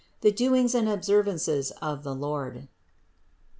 THE DOINGS AND OBSERVANCES OF THE LORD.